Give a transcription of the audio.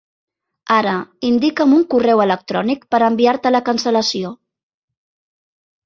Ara, indica'm un correu electrònic per enviar-te la cancel·lació.